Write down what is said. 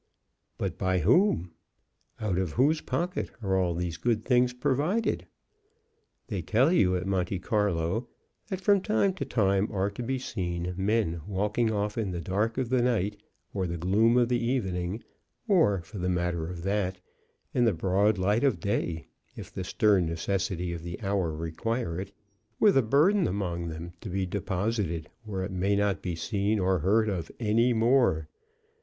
But by whom; out of whose pocket are all these good things provided? They tell you at Monte Carlo that from time to time are to be seen men walking off in the dark of the night or the gloom of the evening, or, for the matter of that, in the broad light of day, if the stern necessity of the hour require it, with a burden among them, to be deposited where it may not be seen or heard of any more.